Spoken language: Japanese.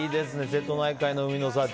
瀬戸内海の海の幸。